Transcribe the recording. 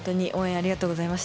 ありがとうございます。